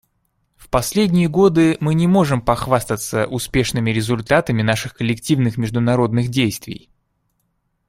В последние годы мы не можем похвастаться успешными результатами наших коллективных международных действий.